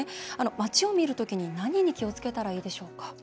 街を見る時に何に気をつけたらいいでしょうか？